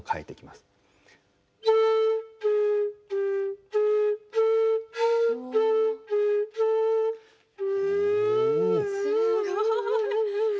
すごい。